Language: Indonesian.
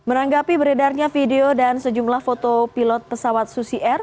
menanggapi beredarnya video dan sejumlah foto pilot pesawat susi air